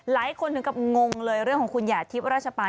หลายคนถึงกับงงเลยเรื่องของคุณหยาดทิพย์ราชปาล